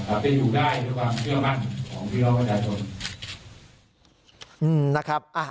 จะเป็นอยู่ได้ในความเชื่อมั่นของพี่เราประชาชน